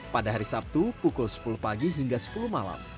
pada hari sabtu pukul sepuluh pagi hingga sepuluh malam